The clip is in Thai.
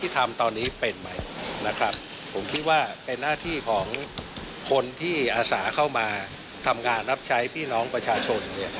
ตั้งความทัพใช้พี่น้องประชาชน